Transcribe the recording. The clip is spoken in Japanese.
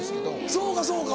そうかそうか。